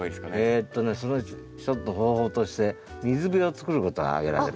えとねその一つの方法として水辺を作ることが挙げられます。